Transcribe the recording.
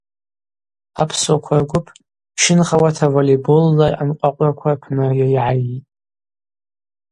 Апсуаква ргвып пщынхауата волейболла анкъвакъвраква рпны йайгӏайтӏ.